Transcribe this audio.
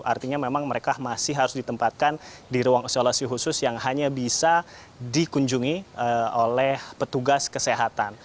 artinya memang mereka masih harus ditempatkan di ruang isolasi khusus yang hanya bisa dikunjungi oleh petugas kesehatan